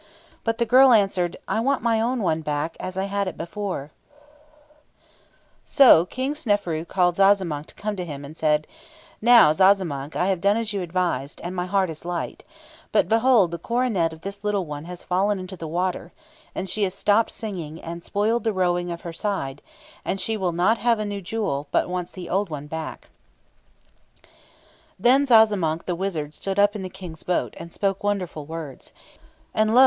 But the girl answered, 'I want my own one back, as I had it before.' So King Seneferu called Zazamankh to come to him, and said, 'Now, Zazamankh, I have done as you advised, and my heart is light; but, behold, the coronet of this little one has fallen into the water, and she has stopped singing, and spoiled the rowing of her side; and she will not have a new jewel, but wants the old one back again.' "Then Zazamankh the wizard stood up in the King's boat, and spoke wonderful words. And, lo!